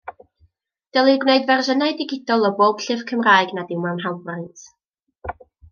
Dylid gwneud fersiynau digidol o bob llyfr Cymraeg nad yw mewn hawlfraint.